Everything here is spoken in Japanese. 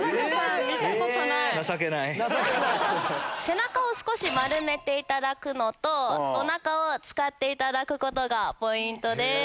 背中を少し丸めていただくのとお腹を使っていただくことがポイントです。